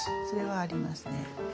それはありますね。